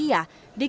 di kampus universitas